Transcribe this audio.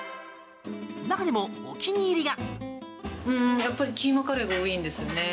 中でもお気に入りが。